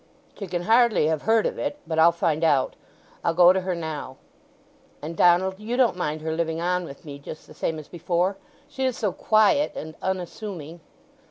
"She can hardly have heard of it. But I'll find out; I'll go to her now. And, Donald, you don't mind her living on with me just the same as before? She is so quiet and unassuming."